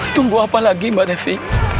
tunggu apa lagi mbak devi